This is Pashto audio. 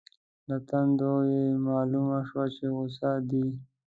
له تندو یې مالومه شوه چې غصه دي.